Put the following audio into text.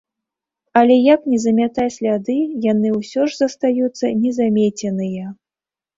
Але як не замятай сляды, яны ўсё ж застаюцца не замеценыя.